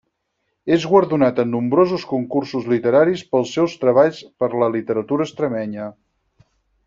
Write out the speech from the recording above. És guardonat en nombrosos concursos literaris pels seus treballs per la literatura extremenya.